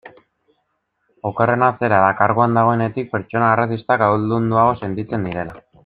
Okerrena zera da, karguan dagoenetik, pertsona arrazistak ahaldunduago sentitzen direla.